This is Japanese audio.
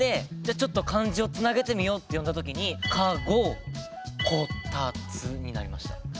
ちょっと漢字をつなげてみようって読んだ時に「かご」「こたつ」になりました。